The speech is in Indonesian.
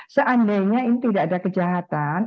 seandainya ini tidak ada kejahatan